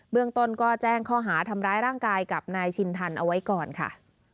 เรื่องต้นก็แจ้งข้อหาทำร้ายร่างกายกับนายชินทันเอาไว้ก่อนค่ะ